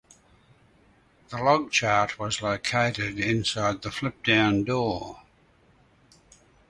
The log chart was located inside the flip-down door.